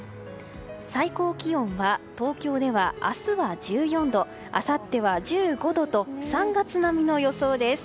最高気温は東京では明日は１４度あさっては１５度と３月並みの予想です。